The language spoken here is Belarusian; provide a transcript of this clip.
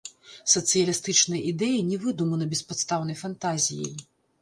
Сацыялістычныя ідэі не выдуманы беспадстаўнай фантазіяй.